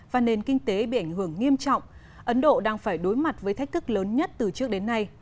và nền kinh tế bị ảnh hưởng nghiêm trọng ấn độ đang phải đối mặt với thách thức lớn nhất từ trước đến nay